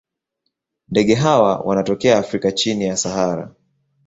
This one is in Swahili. Ndege hawa wanatokea Afrika chini ya Sahara.